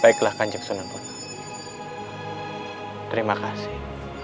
baiklah kanjeng sunanbona terima kasih